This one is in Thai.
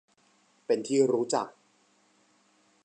เป็นที่รู้จัก